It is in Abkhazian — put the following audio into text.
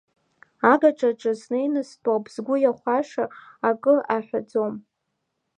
Агаҿаҿы снеины стәоуп, сгәы иахәаша акы аҳәаӡом.